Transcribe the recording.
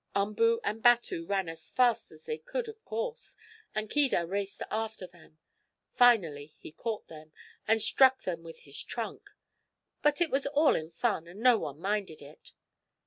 Umboo and Batu ran as fast as they could, of course, and Keedah raced after them. Finally he caught them, and struck them with his trunk. But it was all in fun, and no one minded it.